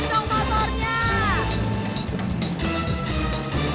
kurang lo gak ada rasanya